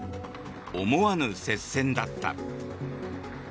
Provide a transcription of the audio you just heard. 思わぬ接戦だった。